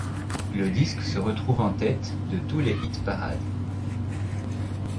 Le disque se retrouve en tête de tous les hit-parades.